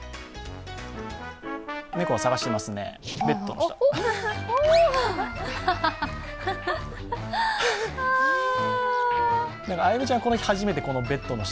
猫が探してますね、ベッドの下。